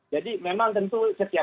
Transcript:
jadi memang tentu setiap